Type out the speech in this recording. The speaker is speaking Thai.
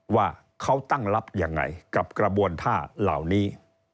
ว่าเขาตั้งรับยังไงกับกระบวนท่าเหล่านี้